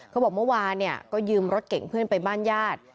เขาบอกเมื่อวานเนี่ยก็ยืมรถเก่งเพื่อนไปบ้านญาติ